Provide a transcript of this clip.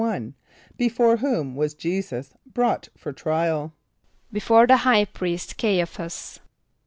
= Before whom was J[=e]´[s+]us brought for trial? =Before the high priest C[=a]´ia ph[)a]s.